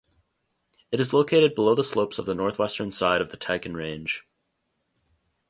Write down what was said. It is located below the slopes of the northwestern side of the Taikan Range.